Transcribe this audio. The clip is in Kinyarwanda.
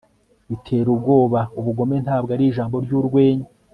biterabwoba, ubugome, ntabwo ari ijambo ryurwenya